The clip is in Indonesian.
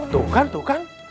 tuh kan tuh kan